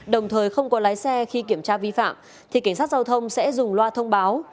đồng thời không có lái xe khi kiểm tra vi phạm thì cảnh sát giao thông sẽ dùng loa thông báo